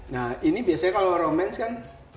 nah ini biasanya kalau romance kan